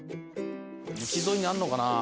道沿いにあるのかな？